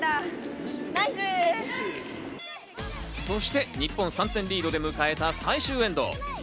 そして日本３点リードで迎えた最終エンド。